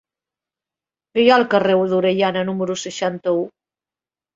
Què hi ha al carrer d'Orellana número seixanta-u?